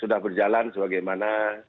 sudah berjalan sebagaimana